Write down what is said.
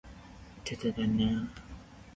開示だな